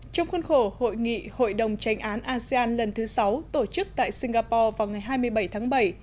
trong khuôn khổ hội nghị hội đồng tranh án asean lần thứ sáu tổ chức tại singapore vào ngày hai mươi bảy tháng bảy